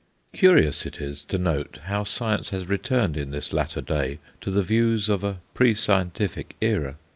Curious it is to note how science has returned in this latter day to the views of a pre scientific era.